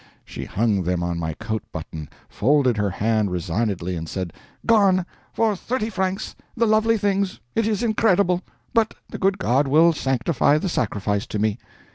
She hung them on my coat button, folded her hand resignedly, and said: "Gone, and for thirty francs, the lovely things it is incredible! but the good God will sanctify the sacrifice to me."